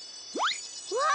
うわ！